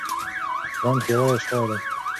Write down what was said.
برانډ پیاوړی شوی دی.